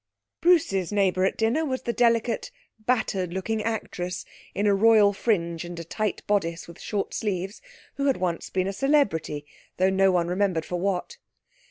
Bruce's neighbour at dinner was the delicate, battered looking actress, in a Royal fringe and a tight bodice with short sleeves, who had once been a celebrity, though no one remembered for what.